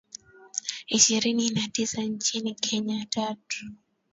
Ishirini na tisa nchini Kenya, tatu.